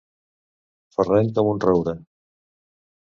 Ferreny com un roure.